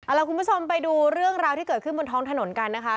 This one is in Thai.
เราคุณผู้ชมไปดูเรื่องราวที่เกิดขึ้นบนท้องถนนกันนะคะ